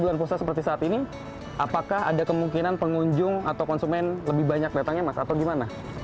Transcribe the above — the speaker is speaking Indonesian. bulan puasa seperti saat ini apakah ada kemungkinan pengunjung atau konsumen lebih banyak datangnya mas atau gimana